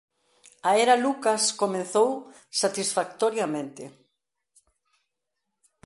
A era Lucas comezou satisfactoriamente.